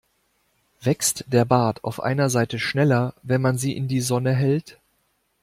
Wächst der Bart auf einer Seite schneller, wenn man sie in die Sonne hält?